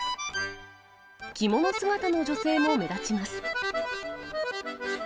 着物姿の女性も目立ちます。